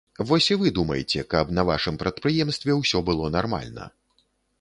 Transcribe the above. Вось і вы думайце, каб на вашым прадпрыемстве ўсё было нармальна.